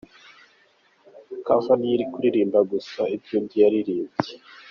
Cover ni iyo uri kuririmba gusa ibyo undi yaririmbye.